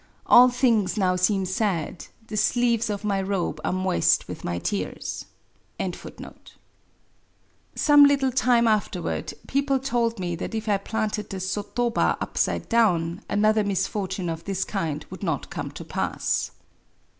All things now seem sad : the sleeves of my robe are moist with my tears !Digitized by Google A WOMAN'S DIARY 109 Some little time afterward, people told me that if I planted the sotoba^ pside down, another misfortune of this kind would not come to pass.